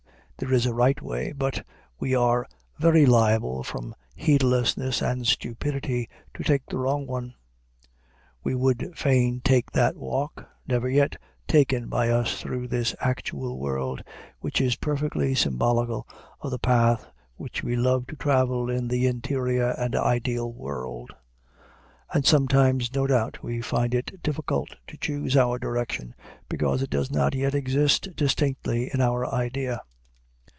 There is a right way; but we are very liable from heedlessness and stupidity to take the wrong one. We would fain take that walk, never yet taken by us through this actual world, which is perfectly symbolical of the path which we love to travel in the interior and ideal world; and sometimes, no doubt, we find it difficult to choose our direction, because it does not yet exist distinctly in our idea.